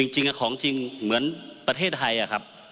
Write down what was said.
จริงของจริงเหมือนประเทศไทยครับ